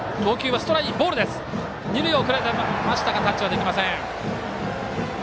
二塁に送られましたがタッチはできません。